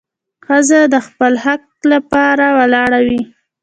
ښځه د خپل حق لپاره ولاړه وي.